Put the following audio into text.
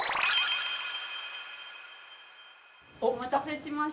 お待たせしました。